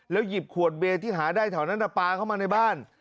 หยิบขวดเบียร์ที่หาได้แถวนั้นปลาเข้ามาในบ้าน